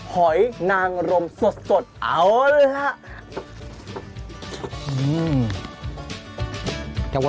หอยนางรมสดเอาเลยครับ